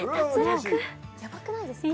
やばくないですか？